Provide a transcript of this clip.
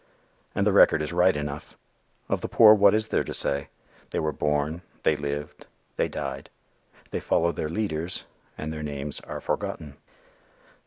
And the record is right enough. Of the poor what is there to say? They were born; they lived; they died. They followed their leaders, and their names are forgotten.